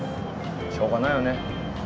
しょうがないよね。